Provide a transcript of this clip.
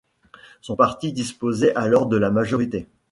Son parti disposait alors de la majorité.